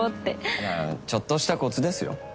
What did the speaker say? いやちょっとしたコツですよ。